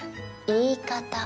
言い方。